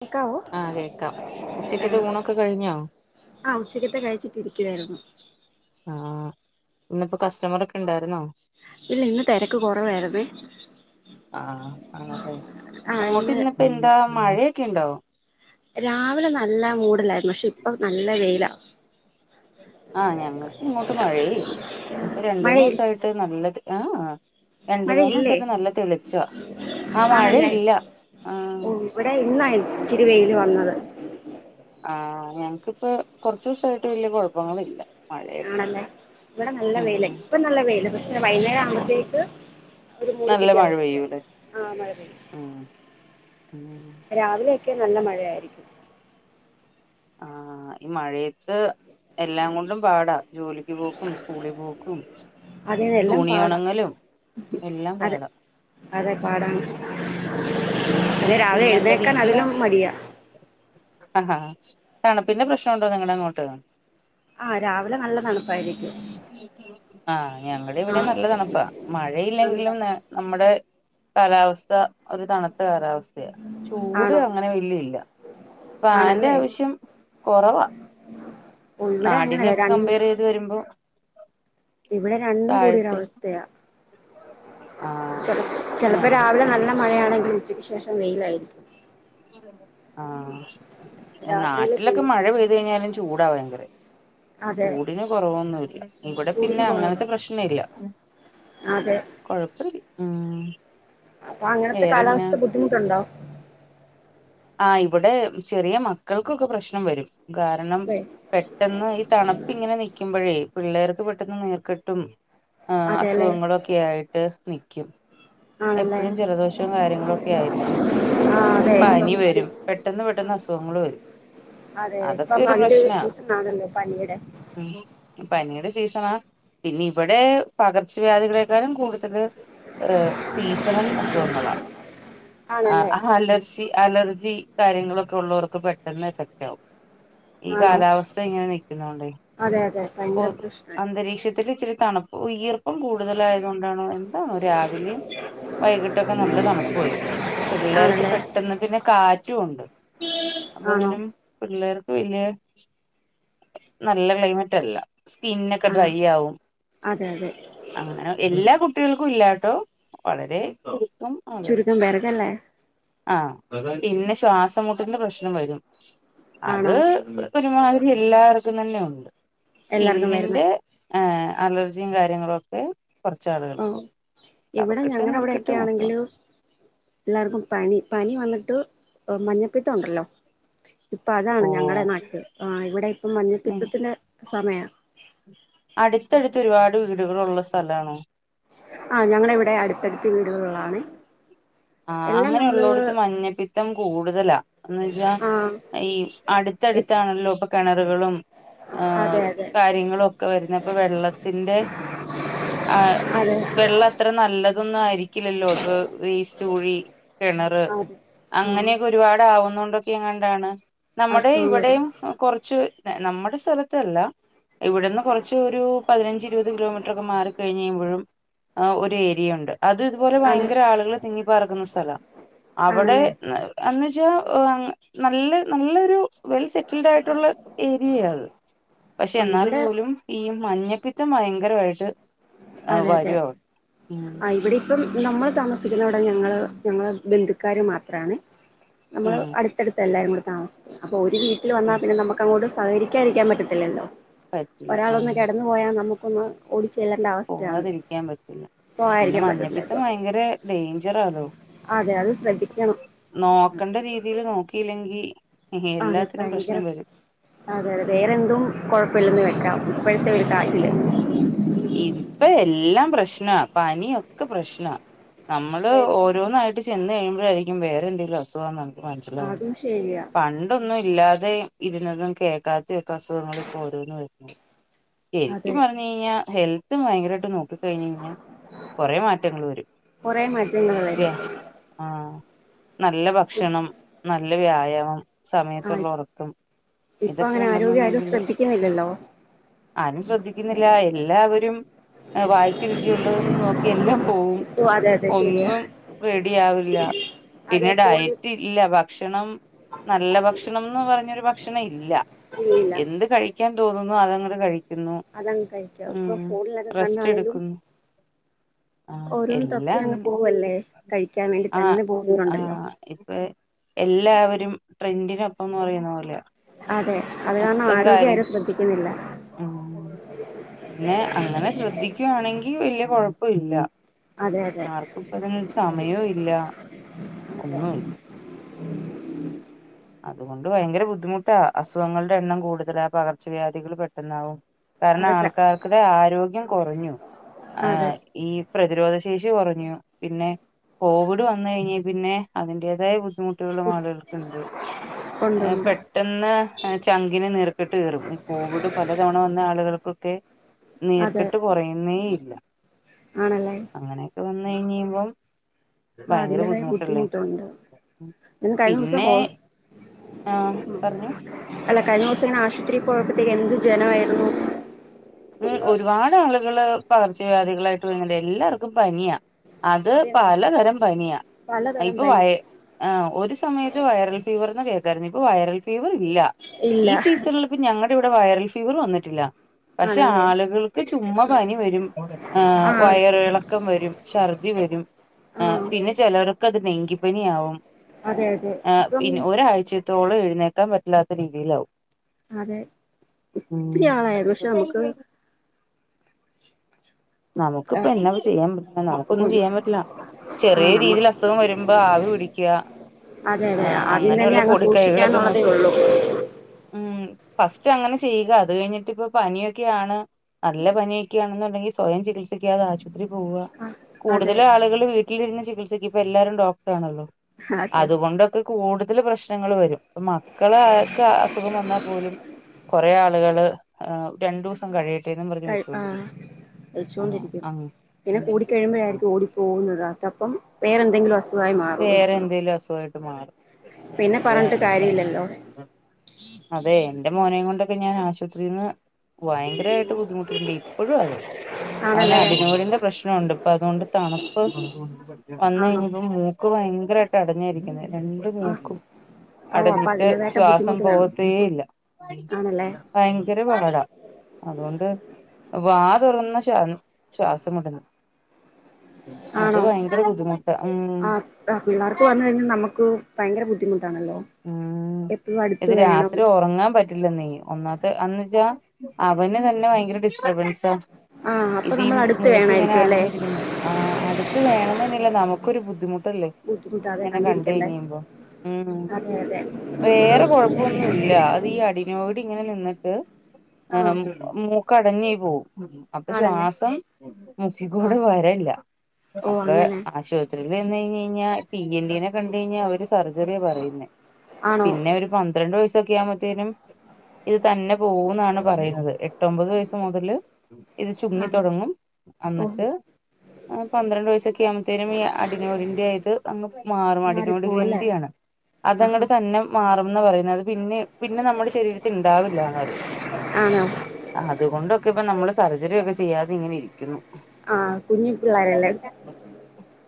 കേക്കാവോ ആഹ് കേക്കാം ഉച്ചക്കത്തെ ഊണൊക്കെ കഴിഞ്ഞോ ആഹ ഉച്ചക്കത്തെ ആഹ ഇന്നിപ്പോ കാസ്റ്റമർ ഒക ഉണ്ടായിരുന്നോ ഇല്ല ഇന്ന് തിരക്ക് കുറവായിരുന്നെ ആഹ ആണല്ലേ ആ ഇന്ന് അങ്ങോട്ട്ന്നിപ്പം എന്താ മഴയൊക്കെ ഇണ്ടോ രാവിലെ നല്ല മൂഡില്ലായിരുന്നു പക്ഷെ ഇപ്പ നല്ല വെയിലാ ആഹ ഞങ്ങൾക്ക് ഇങ്ങോട്ട് മഴേ ഇല്ല പ്പം രണ്ടു മഴയി മൂന്നുസായിട്ട് നല്ലത് ആഹ മഴയില്ലേ രണ്ട്മൂന്നസായിട്ട് നല്ല തെളിച്ചാ ആണല്ലേ ഓ ഇവിടെ ഇന്നായിച്ചിരി വെയില് വന്നത് ആ് ഞങ്ങക്കിപ്പൊ കുറച്ച ദിവസമായിട്ട് വലിയ കുഴപ്പങ്ങളില്ല മഴയുടെ ആണല്ലേ ഇവിടെ നല്ല ഉം വെയില ഇപ്പ നല്ല വെയില് പക്ഷെ വൈകുന്നേരം ആവുമ്പത്തേക്ക്- ഒരു നല്ല മൂടിക്കെട്ടിയ മഴ അവസ്ഥ പെയ്യൂലേ ആ മഴ ഉം ഉം രാവിലെ- ഒക്കെ നല്ല മഴയായിരിക്കും ആ ഈ മഴയത്ത് എല്ലാം കൊണ്ടും പാടാ ജോലിക്ക് പോക്കും സ്കൂളി പോക്കും അതെ എല്ലാം പാട തുണിയൊണങ്ങലും എല്ലാം അതെ പാടാ അതെ പാടാണ് ഉം അതെ രാവിലെ പിന്നെന്താ എഴുന്നേക്കാൻ വീട്ടിലാ അതിലും മടിയാ ആഹാ തണുപ്പിന്റെ പ്രശ്നമുണ്ടോ നിങ്ങടെ അങ്ങോട്ട് ആ രാവിലെ നല്ല തണുപ്പായിരിക്കും ആഹ് ഞങ്ങള് ഇവിടെ ആഹ് നല്ല തണുപ്പാ ആണല്ലേ മഴയില്ലെങ്കിലും നമ്മെടെ കാലാവസ്ഥ ഒരു തണുത്ത കാലാവസ്ഥയ ചൂട് ആണോ അങ്ങനെ വല്യെല്ല ഫാന്റെ ആണല്ലേ ആവശ്യം കൊറവാ ഓ ഇവിടെ അങ്ങനെയല്ല നാടിനെക്ക് ര കമ്പയർ ചെയ്ത് വരുമ്പോ ഇവിടെ രണ്ടും കൂടിയൊരു താഴത്ത് അവസ്ഥയാ ആഹ് ച ചെലപ്പ ഞ രാവിലെ നല്ല മഴയാണെങ്കിൽ ഉച്ചയ്ക്ക് ശേഷം വെയിലായിരിക്കും ആഹ് എ രാത്രിയില് പിൻ നാട്ടിലൊക്കെ മഴ പെയ്തു കഴിഞ്ഞാലും ചൂടാ ഭയങ്കെര അതെ ചൂടിന് കൊറവൊന്നുല്ല ഇവിടെ ചൂടിന് പിന്നെ കൊറവല്ല അങ്ങനത്തെ പ്രശ്ന ഇല്ല അതെ കൊഴപ്പ [unintelligible] ഉം അപ്പൊ അങ്ങനത്തെ വേറെന്നാ കാലാവസ്ഥ ബുദ്ധിമുട്ട്ണ്ടോ ആ ഇവിടെ ചെറിയ മക്കൾക്കൊക്കെ പ്രശ്നം വെരും കാരണം വെ പെട്ടെന്ന് ഈ തണുപ്പ് ഇങ്ങനെ നിൽക്കുമ്പയെ പിള്ളേർക്ക് പെട്ടെന്ന് നീർക്കെട്ടും ആഹ് അതെല്ലേ അസുഖങ്ങളൊക്കെ ആയിട്ട് ആണല്ലേ എപ്പഴും ജലദോഷും കാര്യങ്ങളൊക്കെ ആയിരിക്കും ആഹ് അതെ പനി ഇപ്പം അതി വെരും പെട്ടെന്ന് പെട്ടെന്ന് അസുഗം അസുഖങ്ങൾ വരും അതെ അതൊക്കെ ഇപ്പം ഒര് അതിന്റെ ഒരു പ്രശ്ന സീസൺ ആണല്ലോ പനിയുടെ പനി സീസണ പിന്നെ ഇവടെ പകർച്ചവ്യാധികളെക്കാളും കൂടുതൽ ഹ [unintelligible] സീസണൽ അസുഖങ്ങളാ അ ആണല്ലേ അലർജി അലർ ജി കാര്യങ്ങളൊക്കെ ഉള്ളോർക്ക് പെട്ടെന്ന് എഫെക്ട് ആവും ഈ ആണോ കാലാവസ്ഥ ഇങ്ങനെ നിക്കുന്ന ഹ് കൊണ്ടാവും അതെ അതെ പ്പൊ ഭയങ്കര പ്രശ്നായി അന്തരീക്ഷ ഒരുഇച്ചിരി തണപ്പ് ഈർപ്പം കൂടുതലായത് കൊണ്ടാണോ എന്താവോ രാവിലിം വൈകിട്ടൊക്കെ നല്ല തണുപ്പ് വരും അപ്പൊ പിള്ളേർക്ക് ആണല്ലേ പെട്ടെന്ന് പിന്നെ കാറ്റും ഉണ്ട് അപ്പൊ ആണോ അങ്ങനും പിള്ളേർക്ക് വല്ല്യ നല്ല ക്ലൈമറ്റ് അല്ല സ്കിന്നൊക്കെ ആഹ് ഡ്രൈയാവും അതെ അതെ അങ്ങനെ എല്ലാ കുട്ടികൾക്കും ഇല്ലാട്ടോ വളരെ ചുരുക്കം ആളുകൾക്ക് ചുരുക്കം പേർക്കല്ലേ ആഹ് പിന്നെ ശ്വാസം മുട്ടിന്റെ പ്രശ്നം വരും അത് ആണോ ഒരുമാതിരി എല്ലാർ ക്കും തന്നെയുണ്ട് എല്ലാർക്കും വരുന്നേ സ്കിന്നിന്റെ ഏഹ് അലർജിം കാര്യങ്ങളൊക്കെ കൊർച്ചാളുകൾക്ക് ഇവടെ ഞങ്ങടെവടൊക്കെണെങ്കില് എല്ലാർക്കും പനി പനി വന്ന്ട്ട് മഞ്ഞപ്പിത്തണ്ടല്ലോ ഇപ്പതാണ് ഓ ഞങ്ങടെ നാട്ടില് ആഹ് ഇവടെപ്പം മഞ്ഞിപ്പിത്തത്തിന്റെ സമയാ അട്ത്തട്ത്ത് ഒരുപാട് വീടുകളുള്ള സ്ഥലാണോ? ആഹ് ഞങ്ങളെ വടെ അട്ത്തട്ത്ത് വീടുകള് ള്ളാണ്. ആ അങ്ങനെ ള്ളോട്ത്ത് മഞ്ഞപ്പിത്തം കൂടുതലാ എന്ന് വെച്ചാ ആ ഈ ഇപ് അട്ത്തട്ത്താണല്ലോ പ്പൊ [unintelligible] ഏഹ് അതെ അതെ കാര്യങ്ങളൊക്കെ വരുന്നെ അപ്പോ വെള്ളത്തിന്റെ ആഹ് അതെ വെള്ളത്ര നല്ലതൊന്നായിരിക്കില്ലല്ലോ ഇപ്പൊ വേസ് തുഴി കെണറ് അതെ ആ അങ്ങനെക്കൊരുപാട് ആവുന്നുണ്ടൊക്കെങ്ങാണ്ടാണ് നമ്മടെ അസുഖം വരും ഇവടെയും കൊറച്ച് നമ്മടെ സ്ഥലത്തല്ല. ഇവിടുന്ന് കൊറച്ച് ഒരു പതിനഞ്ച് ഇരുപത് കിലോമീറ്റർ ഒക്കെ മാറി കഴിഞ്ഞ് കഴിയുമ്പഴും ആ ഒരു ഏരിയ ഉണ്ട് അത് ഇതുപോലെ ആണ് ഭയങ്കര ആളുകൾ തിങ്ങിപ്പാർക്കുന്ന സ്ഥലമാണ് ആണല്ലേ അവിടെന്ന്ച്ചാ [unintelligible] നല്ല നല്ലൊരു വെൽ സെറ്റിൽഡ് ആയിട്ടുള്ള ഏരിയായത് പക്ഷെ ഓ എന്നാൽ ഇവിടെ പോലും ഈ മഞ്ഞപ്പിത്തം ഭയങ്കരായിട്ട് ആ അതെ അതെ വരു അവടെ മ്മ് ആ ഇവിടെ ഇപ്പം നമ്മൾ താമസിക്കുന്നവിടെ ഞങ്ങള് ഞങ്ങള് ബന്ധുക്കാര് മാത്രാണ് നമ്മള് അടുത്തടുത്ത് എല്ലാരും കൂടി താമസിക്കുന്ന അപ്പൊ ഒരു വീട്ടൽ ഉം വന്നാ പിന്നെ നമുക്ക് അങ്ങോട്ട് സഹകരിക്കാ ഇരിക്കാൻ പറ്റത്തില്ലല്ലോ പറ്റില്ല ഒരാള് ഒന്ന് ആഹ് കെടന്നു പോയാൽ നമുക്കൊന്ന് ഓടി പോവാതിരിക്കാൻ പറ്റില്ല പിന്നെ പോകാതിരിക്കാൻ പറ്റത്തില്ല മഞ്ഞപ്പിത്തം ഇപ്പൊ ഭയങ്കര ഡേഞ്ചറാലോ അതെ അത് ശ്രദ്ധിക്കണം നോക്കണ്ട രീതീൽ നോക്കിയില്ലെങ്കി അതെ എല്ലാത്തിനും ഭയങ്കര പ്രശ്നം വരും അതെ അതെ ഉം വേറെന്തും കൊഴപ്പല്ലെന്ന് വെക്കാം ഇപ്പോഴത്തെ ഒരു [inaudible] ഇപ്പ എല്ലാം പ്രശ്ന പനിയൊക്കെ പ്രശ്ന നമ്മള് അതെ ഓരോന്നായിട്ട് ചെന്ന് കഴിയുമ്പോഴായിരിക്കും വേറെ എന്തെങ്കിലും അസുഖാന്ന് നമുക്ക് മനസ്സിലാവുന്നത് അതും ശരിയാ പണ്ടൊന്നും ഇല്ലാതെ ഇരുന്നതും കേൾക്കാത്തൊക്കെ അസുഖങ്ങൾ ഇപ്പോ ഓരോന്നും വരുന്നത് ശെരിക്കും അതെ പറഞ്ഞു കഴിഞ്ഞാൽ ഹെൽത്തും ഭയങ്കരായിട്ട് നോക്ക് കഴിഞ്ഞ് കഴിഞ്ഞാൽ കൊറെ മാറ്റങ്ങൾ വരും കൊറേ മാറ്റങ്ങൾ വേ വരും ആ നല്ല ഭക്ഷണം നല്ല വ്യായാമം ആ സമയത്തുള്ള ഉറക്കം ഇപ്പൊ ഇതൊക്കെ അങ്ങനെ ആരോഗ്യം ആരും ഉണ്ടെന്നുണ്ടെങ്കില് ശ്രദ്ധിക്കുന്നില്ലല്ലോ ആരും ശ്രദ്ധിക്കുന്നില്ല എല്ലാവരും വായിക്ക് രുചിയുള്ളതന്ന് നോക്കി എല്ലാം പോവും അത് ഒന്നും റെഡിയാവില്ല അതെ പിന്നെ ഫോണിൽ ഡയറ്റ് ഇല്ല ഭക്ഷണം നല്ല ഭക്ഷണംന്ന് പറഞ്ഞൊരു ഭക്ഷണം ഇല്ല കഴിയില്ല എന്ത് കഴിക്കാൻ തോന്നുന്നു അതങ്ങട് കഴിക്ക അതങ്ങ് കഴിക്കാം ഇപ്പൊ ഫോണിലൊക്കെ കണ്ടാണേലും ആ ഓരോന്ന് തപ്പി എല്ലാം അങ്ങ് അങ്ങനെ പോവല്ലേ കഴിക്കാൻ വേണ്ടി ആ തന്നെ ആ പോകുന്നവരുണ്ടല്ലോ ഇപ്പ എല്ലാവരും ട്രെൻഡിനൊപ്പംന്ന് പറയുന്ന പോലെ അതെ അത് കാരണം മൊത്തം ആരോഗ്യം കാര്യം ആരും ശ്രദ്ധിക്കുന്നില്ല ഉം പിന്നെ അങ്ങനെ ശ്രദ്ധിക്കുവാണെങ്കിൽ വലിയ കൊഴപ്പം ഇല്ല അതെ അതെ ആർക്കും ഇപ്പ അതിന് ഒരു സമയോം ഇല്ല ഒന്നും ഇല്ല അതുകൊണ്ട് ഭയങ്കര ബുദ്ധിമുട്ടാ അസുഖങ്ങളുടെ എണ്ണം കൂടുതലാ പകർച്ചവ്യാധികൾ പെട്ടെന്നാവും കാരണം അതൊക്കെ ആൾക്കാർക്ക്ടെ ആരോഗ്യം കുറഞ്ഞു ആ അതെ ഈ പ്രതിരോധ ശേഷി കുറഞ്ഞു പിന്നെ കോവിഡ് വന്ന് കഴിഞ്ഞെ പിന്നെ അതിന്റേതായ ബുദ്ധിമുട്ടുള്ള ആളുകളുണ്ട് ഉണ്ടുണ്ട് പെട്ടെന്ന് ചങ്കിനെ നീർക്കിട്ട് കേറും ഈ കോവിഡ് പല തവണ വന്ന ആളുകൾ ഒക്കെ അതെ നീർക്കെട്ട് കുറയുന്നേ ഇല്ല ആണല്ലേ ഇത് വന്ന് കഴഞ്ഴിയുമ്പം ആ അതിന്റെതായ ബുദ്ധിമുട്ടുണ്ട് കഴിഞ്ഞ ദിവസം പിന്നെ ആഹ് പറഞ്ഞു അല്ല കഴിഞ്ഞ ദിവസങ്ങനെ ആശുത്രി പോയപ്പത്തേക്ക് എന്ത് ജനായിരുന്നു ഉം ഒരുപാട് ആളുകള് പകർച്ചവ്യാധികളായിട്ട് വരന്നുണ്ട് എല്ലാർക്കും പനിയാ അത് അതേന്നെ പലതരം പനിയാ പലതരം ഇപ്പൊ വയ് പനിയാ ഒരു സമയത്ത് വൈറൽ ഫീവർന്ന് കേൾക്കായിരുന്നു ഇപ്പ വൈറൽ ഫീവർ ഇല്ല ഇല്ല ഈ സീസണിൽ ഇപ്പ ഞങ്ങടെ ഇവിടെ വൈറൽ ഫീവർ വന്നിട്ടില്ല പക്ഷെ ആണല്ലേ ആളുകൾക്ക് ചുമ്മാ പനി വരും ഏ ആ വയറിളക്കം വരും ഷർദി വരും ആ ആഹ് പിന്നെ ചിലവർക്ക് അത് ഡെങ്കിപ്പനി ആവും അതെ അതെ ആ ഇപ്പം പിന്നെ ഒരാഴ്ചത്തോളം എഴുന്നേക്കാൻ പറ്റില്ലാത്ത രീതിയിലാവും അതെ ഒത്തിരി ഉം ആളായിരുന്നു നമുക്കിപ്പ ആഹ് എന്ന ചെയ്യാൻ പറ്റ നമുക്കൊന്നും ഒഴി ചെയ്യാൻ പറ്റില്ല ചെറിയ ആഹ് നമ്മ രീതിൽ അസുഖം വരുമ്പോ ആവി പിടിക്ക അതെ അതെ അദ്യം തന്നെ അങ് സൂക്ഷിക്കാാനുള്ളതേ നോക്കി ഉള്ളൂ ഉം ഫസ്റ്റ് അങ്ങനെ ചെയ്യുക അത് കഴിഞ്ഞിട്ട് ഇപ്പൊ പനിയൊക്കെയാണ് നല്ല പനിയൊക്കെയാണെന്നുണ്ടെങ്കിൽ സ്വയം ചികിത്സിക്കാതെ ആശുപത്രി പോവ ആഹ് അതെ കൂടുതൽ ആളുകൾ വീട്ടിലിരുന്ന് ചികിത്സിക്ക ഇപ്പ എല്ലാരും ഡോക് ആണല്ലോ അതെ അതുകൊണ്ടൊക്കെ കൂടുതൽ പ്രശ്നങ്ങൾ വരും മക്കള് ആര്ക്കെ അസുഖം വന്നാൽ പോലും കുറെേ ആളുകള് രണ്ടു ദിവസം കഴിയട്ടേന്നും പറഞ്ഞ് വെച്ചോണ്ടിരിക്കും ആഹ് വളച്ചൊണ്ടിരിക്കും ആഹ് പിന്നെ കൂടി കഴിയുമ്പോഴായിരിക്കും ഓടിപ്പോകുന്നത് അതപ്പം വേറെന്തെങ്കിലും അസുകം വേറെ എന്തേലും അസുഖായിട്ട് മാറും പിന്നെ പറഞ്ഞിട്ട് ഏ കാര്യമില്ലല്ലോ അതെ എന്റെ മോനെയും കൊണ്ടൊക്കെ ഞാൻ ആശുപത്രിയിൽന്ന് ഭയങ്കരായിട്ട് ബുദ്ധിമുട്ടീട്ടുണ്ട് ഇപ്പോഴും അതെ അവന് ആണല്ലേ അടിനോടിന്റെ പ്രശ്നൊണ്ട് അപ്പൊ അതുകൊണ്ട് തണുപ്പ് വന്ന ആണോ കഴിഞ്ഞപ്പോ മൂക്ക് ഭയങ്കരായിട്ട് അടഞ്ഞായിരിക്കുന്നെ രണ്ട് ആഹ് മൂക്കും ഓ അപ്പൊ അടഞ്ഞിട്ട് അതിന്റേതായിട്ട് ശ്വാസം ബുദ്ധിമുട്ട് പോവ കാണും തേയില്ല ആണല്ലേ ഭയങ്കര പാട അതുകൊണ്ട് വാ തുറന്ന് ശ ശ്വാസവിടുന്നു അത് ആണോ ഭയങ്കര ബുദ്ധിമുട്ട് ഉം ഭയര ബുദി ഉം ഇത് വേണം രാത്രി ഉറങ്ങാൻ പറ്റില്ലന്നെ ഒന്നാത്തെ അന്ന്ച്ചാ അവന് തന്നെ ഭയങ്കര ഡിസ്റ്റർബൻസാ ആഹ് അപ്പൊ ഇതീ നമ്മൾ അടുത്ത് മൂക്ക് ഇങ്ങനെ വേണായിരിക്കും അല്ലേ അടഞ്ഞിരിക്കുന്നുണ്ട് ആ അടുത്ത് വേണംന്ന് തന്നെയല്ല നമുക്ക് ഒരു ബുദ്ധിമുട്ടല്ലേ ബുദ്ധിമുട്ടാതെ ഇങ്ങനെ കണ്ട് കഴിഞ് കണ്ടിരിക്കണ്ടേ കഴിയുമ്പോ ഉം അതെ അതെ വേറെ കൊഴപ്പൊന്നുല്ല അത് ഈ അടിനോട് ഇങ്ങനെ നിന്നിട്ട് ആ ആഹ് മൂക്കടഞ്ഞ് പോവും അപ്പൊ ആണല്ലേ ശ്വാസം മുക്കീക്കൂടെ ആഹ് വരല്ല ഓ അപ്പൊ അങ്ങനെ ആശുപത്രി [inaudible] കഴിഞ്ഞാൽ പി എൻ ഡിനെ കണ്ട കഴിഞ്ഞാൽ അവര് സർജറിയാ പറയുന്നെ ആണോ പിന്നെ ഒരു പന്ത്രണ്ട് വയസൊക്കെ ആവുമ്പത്തേനും ഇത് തന്നെ പോവുംന്നാണ് പറയുന്നത് എട്ടൊമ്പത് വയസ്സ് മുതല് ഇത് ചുങ്ങി ആണ് തൊടങ്ങും ഓഹോ അന്നിട്ട് പന്ത്രണ്ട് വയസ്സൊക്കെ യുമ്പത്തേനും ഈ അടിനോടിന്റെ ഇത് അങ്ങ് മാറും അടിനോട് മാറിപ്പോവല്ലേ ഗ്രന്ഥിയാണ് ആഹാ അതങ്ങടെ തന്നെ മാറുംന്ന പറയുന്നത് പിന്നെ പിന്നെ നമ്മുടെ ശരീരത്തി ഉണ്ടാവില്ലാന്ന് പറയണ് ആണോ അതുകൊണ്ടൊക്കെ ഇപ്പ നമ്മൾ സർജറി ഒക്കെ ചെയ്യാതെ ഇങ്ങനെ ഇരിക്കുന്നു ആ കുഞ്ഞി പിള്ളാരല്ലേ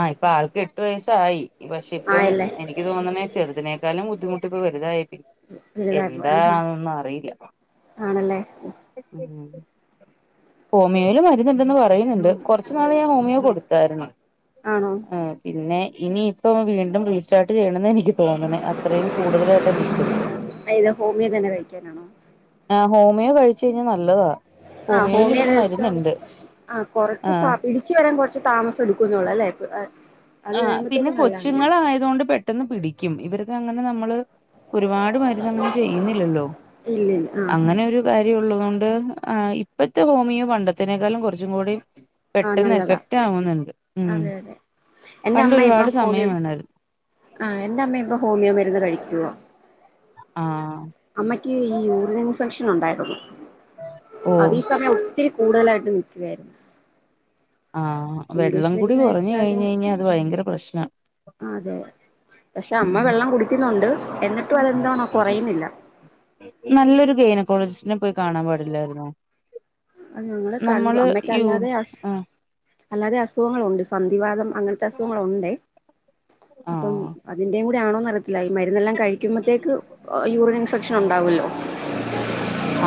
ആ ഇപ്പൊ ആൾക്ക് എട്ടു വയസ്സായി പക്ഷെ ഇപ്പം ആയല്ലേ എനിക്ക് തോന്നണെ അതിനേക്കാള് ബദ്ധിമുട്ടിപ്പ വലുതായി വലുതായപ്പോ ആഹാ എന്താന്നൊന്നും അറിയില്ല ആണല്ലേ ഹോമിയോയില് മരുന്നുണ്ടെന്ന് പറയുന്നുണ്ട് കൊറച്ചുനാള് ഞാൻ ഹോമിയോ കൊടുത്തായിരുന്നു ആണോ ആ പിന്നെ ഇനിയിപ്പൊ വീണ്ടും റീസ്റ്റാർട്ട് ചെയ്യണം തോന്നണേ അത്രയും കൂടുതലായിട്ട് നിക്കുന്നെ ഇത് ഹോമിയോ തന്നെ കഴിക്കാനാണോ ആ ഹോമിയോ കഴിച്ച് കഴിഞ്ഞ ആ ഹോമിയോ ദിവസോം ആ കൊറച്ച് ആഹ് പിടിച്ചു വരാൻ കൊറച്ച് താമസം എടുക്കുന്നുള്ള അല്ലേ അത് ആ പിന്നെ കഴിയുമ്പോത്തേക്ക് നല്ലതാന്ന് തോന്നുന്നു കൊച്ചുങ്ങളായത് കൊണ്ട് പെട്ടെന്ന് പിടിക്കും ഇവർക്ക് അങ്ങനെ നമ്മള് ഒരുപാട് മരുന്ന് അങ്ങനെ ചെയ്യുന്നില്ലല്ലോ ഇല്ലില്ല ആഹ് അങ്ങനെ ഒരു കാര്യള്ളതുകൊണ്ട് ഇപ്പഴത്തെ ഹോമിയോ പണ്ടത്തിനേക്കാളും കുറച്ചും കൂടി ആഹ് പെട്ടെന്ന് നല്ലതാ എഫക്റ്റ് ആവുന്നുണ്ട് ഉം അതെ അതെ എന്റെ പണ്ട് അമ്മ ഇപ്പ ഒരുപാട് സമയം ഹോമിയോ വേണായിരുന്നു ആ എന്റെ അമ്മ ഇപ്പ ഹോമിയോ മരുന്ന് കഴിക്കുവാ ആഹ് അമ്മക്ക് ഈ യൂറിൻ ഇൻഫക്ഷൻ ഉണ്ടായിരുന്നു ഓഹ് അതീ സമയം ഒത്തിരി കൂടുതലായിട്ട് നിക്കുവായിരുന്നു ആഹ് വെള്ളം ഇംഗ്ലീഷ് കുടി മരുന്ന് കുറഞ്ഞു കഴിച്ചാല് കഴിഞ്ഞ് കഴിഞ്ഞാ അത് ഭയങ്കര പ്രശ്നാ അതെ പക്ഷെ ഉം അമ്മ വെള്ളം കുടിക്കുന്നുണ്ട് എന്നിട്ടും അതെന്താണോ കുറയുന്നില്ല നല്ലൊരു ഗൈനക്കോളജിസ്റ്റിനെ പോയി കാണാൻ പാടില്ലായിരുന്നോ അ ഞങ്ങെൾ കണ്ടു നമ്മള് അമ്മയ്ക്ക് യു അല്ലാതെ അസ് ആഹ് അല്ലാതെ അസുഖങ്ങളുണ്ട് സന്ധിവാദം അങ്ങനത്തെ അസുഖങ്ങളുണ്ടെ അപ്പം ആഹ് അതിന്റെ കൂടി ആണോ അറിയത്തില്ല മരുന്നെല്ലാം കഴിക്കുമ്പോഴത്തേക്ക് യൂറിൻ ഇൻഫെക്ഷൻ ഉണ്ടാവുമല്ലോ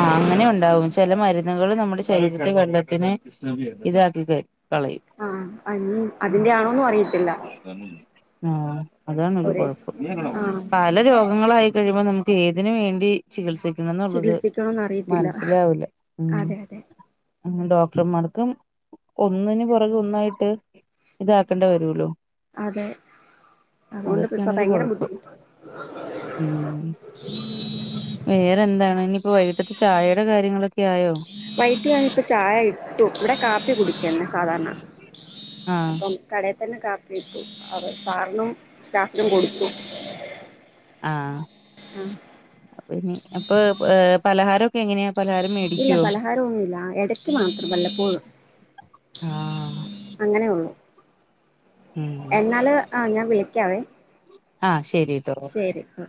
ആ അങ്ങനെ ഉണ്ട് ഉണ്ടാവും ചില മരുന്നുകൾ നമ്മുടെ ശരീരത്തെ വെള്ളത്തിന് ഇതാക്കി കളയും ആഹ് അതിന്റെ ആണോന്നും അറയില്ല ആ അതാണ് ഒരു ഒരേ കുഴപ്പം ആഹ് പല രോഗങ്ങളായി കഴിയുമോ നമുക്ക് ഏതിന് വേണ്ടി ചികിത്സ ന്നുള്ളത് ചികിത്സിക്കണോന്ന് അറിയത്തില്ല മനസ്സിലാവില്ല ഉം അതെ അതെ ഡോക്ടർമാർക്കും ഒന്നിന് പുറകെ ഒന്നായിട്ട് ഇതാക്കേണ്ടി വരുലോ അതെ അതുകൊണ്ട് അതൊക്കെയാണ് ഇപ്പ ഒരു ഭയങ്കര കുഴപ്പം ബുദ്ധിമുട്ട് ഉം വേറെന്താണ് ഇനിയിപ്പോ വൈകീട്ടത്തെ ചായടെ കാര്യങ്ങളൊക്കെ ആയോ വൈകീട്ട് ഞാനിപ്പ ചായ ഇട്ടു ഇവിടെ കാപ്പി കുടിക്കുന്നെ സധാരണ ആ അപ്പം കടേ തന്നെ കാപ്പിയിട്ടു അപ്പൊ സാറിനും സ്റ്റാഫിനും കൊടുക്കും ആ അപ്പൊ ഇനി അപ്പൊ ഈ പലഹാരൊക്കെ എങ്ങനെയാ പലഹാരം ഇല്ല മേടിക്കുവോ പലഹാര ഒന്നുല്ല എടക്ക് മാത്രം വല്ലപ്പോഴും ആ അങ്ങനെ ഒള്ളു ഉം എന്നാല് ആ ഞാൻ വിളിക്കാവേ ആ ശരിട്ടോ ഓകെ ശരി ഉം